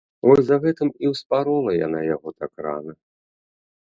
Вось за гэтым і ўспарола яна яго так рана.